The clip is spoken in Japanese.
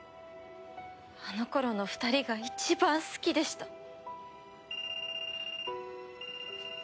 あの頃の２人が一番好きでした。